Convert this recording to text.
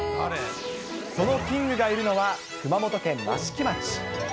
そのキングがいるのは、熊本県益城町。